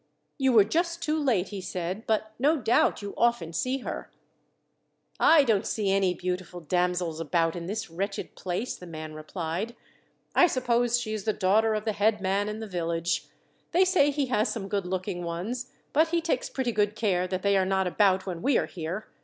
"You were just too late," he said, "but no doubt you often see her." "I don't see any beautiful damsels about in this wretched place," the man replied. "I suppose she is the daughter of the head man in the village. They say he has some good looking ones, but he takes pretty good care that they are not about when we are here.